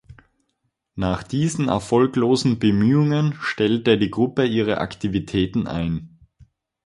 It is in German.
Nach diesen erfolglosen Bemühungen stellte die Gruppe ihre Aktivitäten ein.